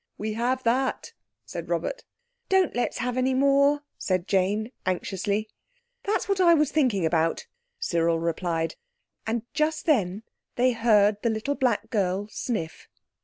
"We have that," said Robert. "Don't let's have any more," said Jane anxiously. "That's what I was thinking about," Cyril replied; and just then they heard the Little Black Girl sniff.